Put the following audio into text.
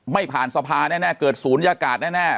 ไม่ผ่านสภาแน่เกิดศูนยากาศแน่